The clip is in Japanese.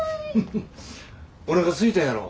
フフおなかすいたやろ。